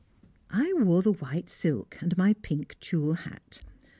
I wore the white silk and my pink tulle hat.